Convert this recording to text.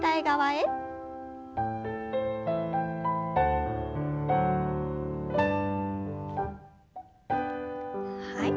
はい。